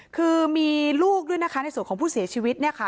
คือมีลูกด้วยนะคะในส่วนของผู้เสียชีวิตเนี่ยค่ะ